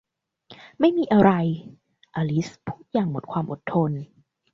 ไม่มีอะไร อลิซพูดอย่างหมดความอดทน